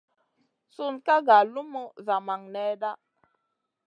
Sun ka nga lumu zamang nèda.